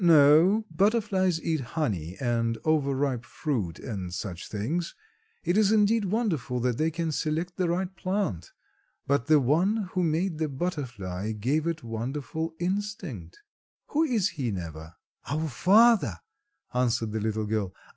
"No, butterflies eat honey and overripe fruit and such things; it is indeed wonderful that they can select the right plant, but the One who made the butterfly gave it wonderful instinct. Who is He, Neva?" "Our Father," answered the little girl.